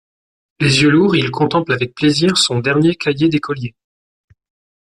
Les yeux lourds, il contemple avec plaisir son dernier cahier d’écolier.